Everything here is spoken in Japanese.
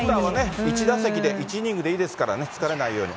１打席で、１イニングでいいですからね、疲れないように。